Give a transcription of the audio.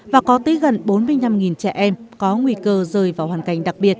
và có tới gần bốn mươi năm trẻ em có nguy cơ rơi vào hoàn cảnh đặc biệt